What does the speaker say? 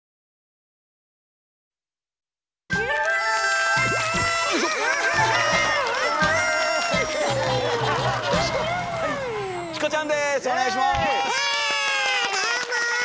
どうも。